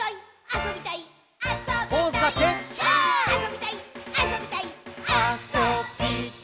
あそびたいっ！！」